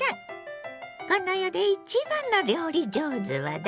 この世で一番の料理上手はだれ？